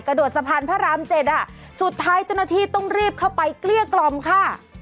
กระโดดสะพานพระราม๗สุดท้ายจนทีต้องรีบเข้าไปเกลี้ยกลอมค่ะ